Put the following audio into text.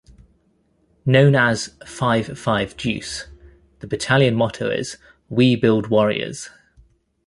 Known as "five-five-deuce," the battalion motto is "We Build Warriors.